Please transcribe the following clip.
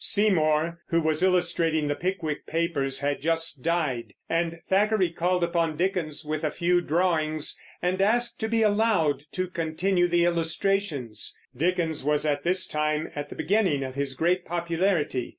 Seymour, who was illustrating the Pickwick Papers, had just died, and Thackeray called upon Dickens with a few drawings and asked to be allowed to continue the illustrations. Dickens was at this time at the beginning of his great popularity.